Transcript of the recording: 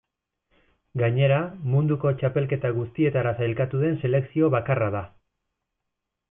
Gainera, munduko txapelketa guztietara sailkatu den selekzio bakarra da.